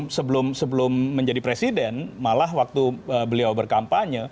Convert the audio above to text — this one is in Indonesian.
pak jokowi itu sebelum menjadi presiden malah waktu beliau berkampanye